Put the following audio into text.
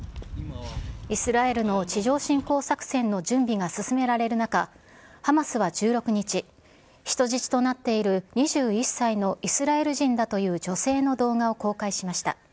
イスラエルの地上侵攻作戦の準備が進められる中、ハマスは１６日、人質となっている２１歳のイスラエル人だという女性の動画を公開しました。